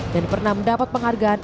dan pernah mendapat penghargaan